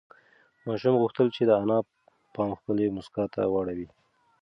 ماشوم غوښتل چې د انا پام خپلې مسکا ته واړوي.